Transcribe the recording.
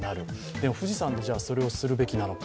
でも富士山でそれをするべきなのか。